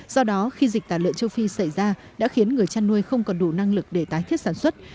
do đó khi dịch tả lợn châu phi xảy ra đã khiến người chăn nuôi không còn đủ năng lực để tái thiết sản xuất